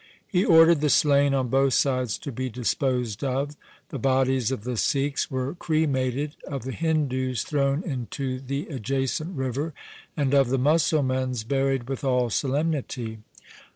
He ordered the slain on both sides to be disposed of. The bodies of the Sikhs were cre mated, of the Hindus thrown into the adjacent river, and of the Musalmans buried with all solemnity.